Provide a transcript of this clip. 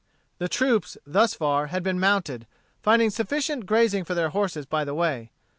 The troops, thus far, had been mounted, finding sufficient grazing for their horses by the way.